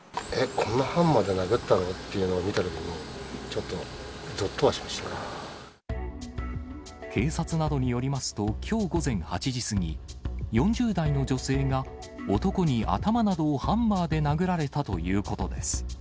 こんなハンマーで殴ったのというのを見たときに、ちょっと、警察などによりますと、きょう午前８時過ぎ、４０代の女性が男に頭などをハンマーで殴られたということです。